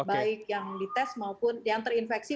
baik yang dites maupun yang terinfeksi